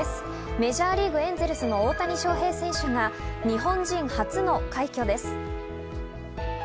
メジャーリーグ、エンゼルスの大谷翔平選手が日本人初の快挙です。